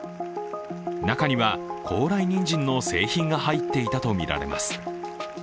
中には高麗人参の製品が入っていたとみられます。